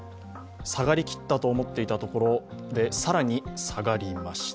下がりきったと思っていたところで更に下がりました。